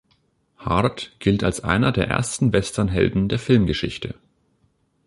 Hart gilt als einer der ersten Westernhelden der Filmgeschichte.